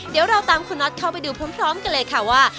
เดี๋ยวเราตามคุณน็อตเข้าไปดูพร้อมกันเลยค่ะว่า